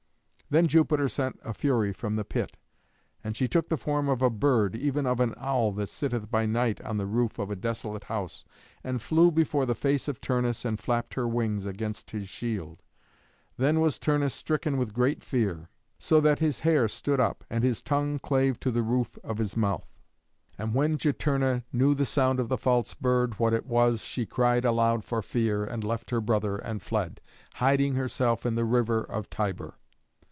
Then Jupiter sent a Fury from the pit. And she took the form of a bird, even of an owl that sitteth by night on the roof of a desolate house, and flew before the face of Turnus and flapped her wings against his shield. Then was Turnus stricken with great fear, so that his hair stood up and his tongue clave to the roof of his mouth. And when Juturna knew the sound of the false bird what it was, she cried aloud for fear, and left her brother and fled, hiding herself in the river of Tiber.